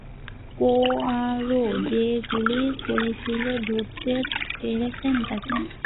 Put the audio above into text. Poirot, যে গুলি করেছিল ধরতে পেরেছেন তাকে?